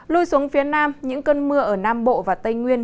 lui xuống phía nam những cơn mưa ở nam bộ và tây nguyên